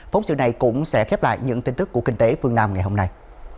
phóng sự này cũng sẽ khép lại những tin tức của kinh tế phương nam ngày hôm nay